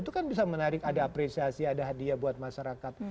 itu kan bisa menarik ada apresiasi ada hadiah buat masyarakat